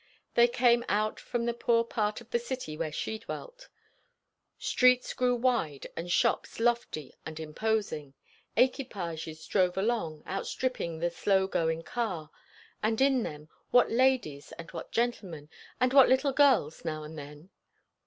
They came out from the poor part of the city where she dwelt; streets grew wide and shops lofty and imposing; equipages drove along, outstripping the slow going car; and in them, what ladies, and what gentlemen, and what little girls now and then!